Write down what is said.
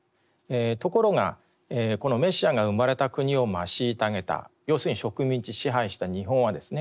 ところがこのメシアが生まれた国を虐げた要するに植民地支配した日本はですね